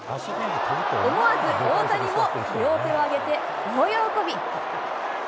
思わず大谷も、両手を挙げて大喜び。